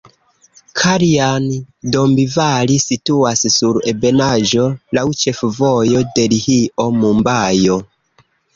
Kaljan-Dombivali situas sur ebenaĵo laŭ ĉefvojo Delhio-Mumbajo.